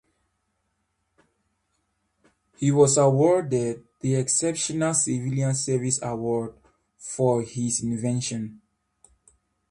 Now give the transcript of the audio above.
He was awarded the Exceptional Civilian Service Award for his invention.